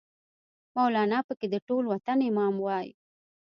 مولانا پکې د ټول وطن امام وای